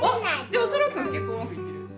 でもそらくん結構うまくいってる。